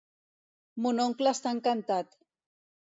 Mon oncle està encantat.